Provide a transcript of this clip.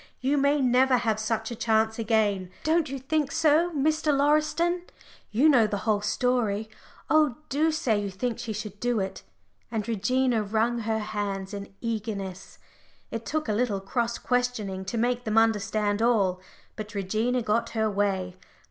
You may never have such a chance again. Don't you think so, Mr. Lauriston you who know the whole story oh, do say you think she should do it?" and Regina wrung her hands in her eagerness. It took a little cross questioning to make them understand all; but Regina got her way.